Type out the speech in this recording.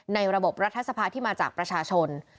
ในระบบรัฐสภาที่มาจากประชาชน